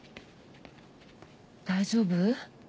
大丈夫？